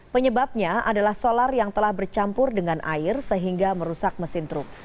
penyebabnya adalah solar yang telah bercampur dengan air sehingga merusak mesin truk